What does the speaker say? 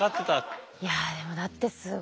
いやでもだってすごい。